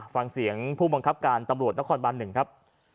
ฟังเสียงผู้บังคับการตำรวจนครบัน๑ครับ